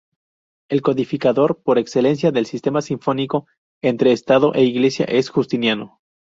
El codificador por excelencia del sistema "sinfónico" entre estado e Iglesia es Justiniano.